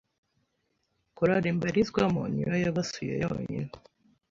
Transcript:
Chorari mbarizwamo niyo yabasuye yonyine